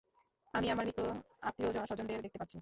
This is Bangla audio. আমি আমার মৃত আত্মীয়স্বজনদের দেখতে পাচ্ছি।